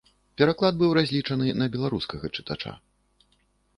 Пераклад быў разлічаны на беларускага чытача.